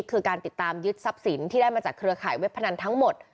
คือการติดตามยึดทรัพย์สินที่ได้มาจากเครือข่ายเว็บพนันทั้งหมด